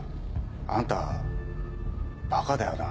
あんたバカだよな。